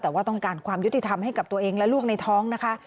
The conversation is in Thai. แต่ว่าต้องการความยุติธรรมให้กับตัวเองและลูกในท้องนะคะ